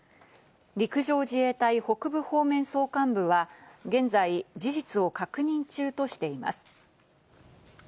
陸上自衛隊北部方面総監部は現在、事実を確認中としています。